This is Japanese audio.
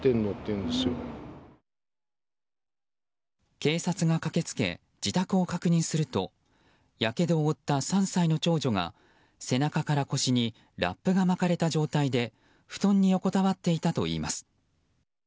警察が駆けつけ自宅を確認するとやけどを負った３歳の長女が背中から腰にラップが巻かれた状態で布団に横たわっていたといいます。